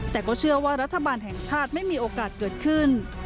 แต่ก็เชื่อว่ารัฐบาลแห่งชาติไม่มีโอกาสเกิดขึ้น